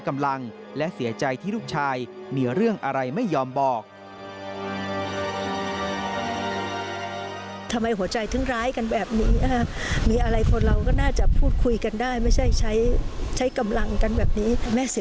ไม่ใช่ใช้กำลังกันแบบนี้